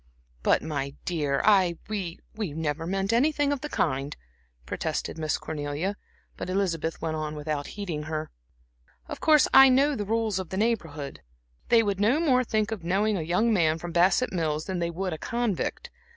"But, my dear, I we never meant anything of the kind," protested Miss Cornelia. But Elizabeth went on without heeding her. "Of course I know the rules of the Neighborhood. They would no more think of knowing a young man from Bassett Mills than they would a convict.